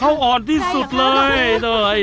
เขาอ่อนที่สุดเลย